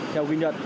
theo ghi nhật